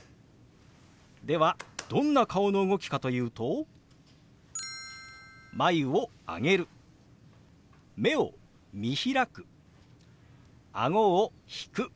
ではどんな顔の動きかというと眉を上げる目を見開くあごを引く。